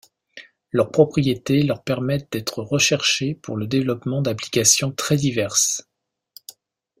Leurs propriétés leur permettent d'être recherchés pour le développement d'applications très diverses.